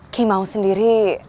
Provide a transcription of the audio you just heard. kim aung sendiri